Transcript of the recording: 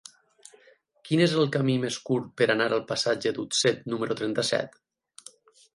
Quin és el camí més curt per anar al passatge d'Utset número trenta-set?